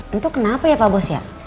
tentu kenapa ya pak bos ya